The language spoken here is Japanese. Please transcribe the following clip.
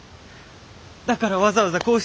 だからわざわざこうして俺に。